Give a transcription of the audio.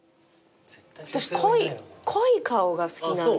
私濃い顔が好きなんですよ。